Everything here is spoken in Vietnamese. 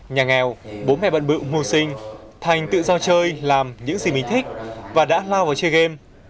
nhà nghèo bố mẹ bận bựu sinh thành tự do chơi làm những gì mình thích và đã lao vào chơi game